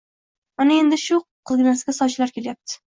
Mana endi shu qizginasiga sovchilar kelyapti